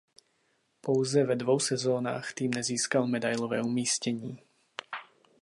Pouze ve dvou sezónách tým nezískal medailové umístění.